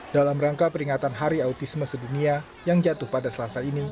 dalam rangka peringatan hari autisme sedunia yang jatuh pada selasa ini